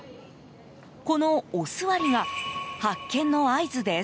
このおすわりが発見の合図です。